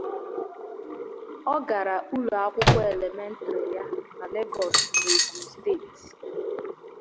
Ọ gara ụlọ akwụkwọ elementrị ya na Lagos n' Ogun steeti.